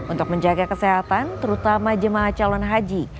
untuk menjaga kesehatan terutama jemaah calon haji